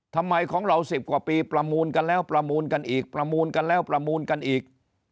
ทำไมของเรา๑๐กว่าปีประมูลกันแล้วประมูลกันอีกประมูลกันแล้วประมูลกันอีก